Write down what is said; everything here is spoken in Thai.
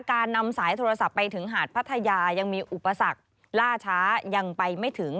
การนำสายโทรศัพท์ไปถึงหาดพัทยายังมีอุปสรรคล่าช้ายังไปไม่ถึง